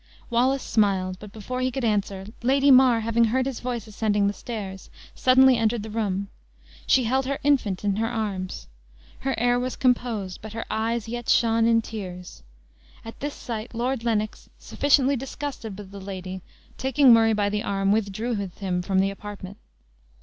Wallace smiled, but before he could answer, Lady Mar, having heard his voice ascending the stairs, suddenly entered the room. She held her infant in her arms. Her air was composed, but her eyes yet shone in tears. At this sight Lord Lennox, sufficiently disgusted with the lady, taking Murray by the arm, withdrew with him from the apartment.